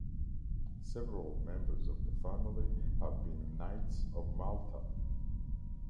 Several members of the family have been Knights of Malta.